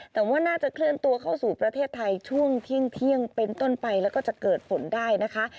แต่ว่าน่าจะเคลื่อนตัวเข้าสู่ประเทศไทยช่วงเที่ยงเป็นต้นไปแล้วก็จะเกิดฝนได้นะคะ